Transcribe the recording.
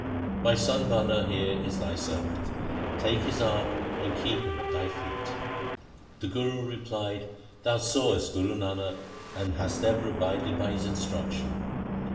My son Bhana here is thy servant : take his arm and keep him at thy feet.' The Guru replied, ' Thou sawest Guru Nanak, and hast ever abided by his instruction.